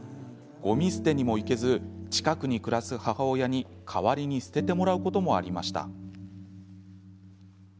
ごみ捨てにも行けず近くに暮らす母親に代わりに捨ててもらうこともありました。